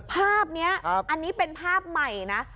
ภาพนี้อันนี้เป็นภาพใหม่นะ